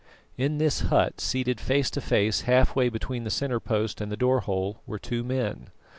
In this hut, seated face to face halfway between the centre post and the door hole, were two men.